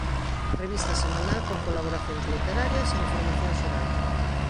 Revista semanal con colaboracións literarias e información xeral.